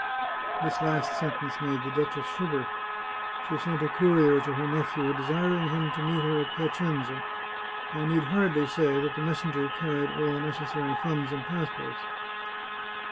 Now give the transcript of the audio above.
This last sentence made the duchess shiver. She sent a courier to her nephew, desiring him to meet her at Piacenza. I need hardly say that the messenger carried all the neces sary funds and passports.